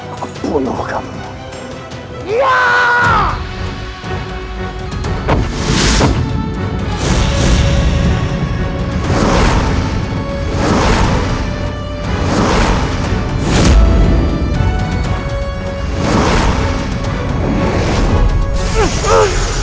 aku bunuh kamu